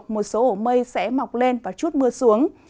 một số ổ mây sẽ mọc lên và chút mưa xuống